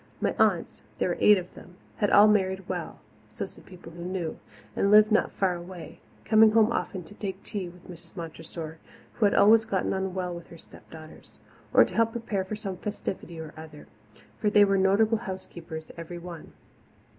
My aunts there were eight of them had all married well, so said people who knew, and lived not far away, coming home often to take tea with Mrs. Montressor, who had always gotten on well with her step daughters, or to help prepare for some festivity or other for they were notable housekeepers, every one.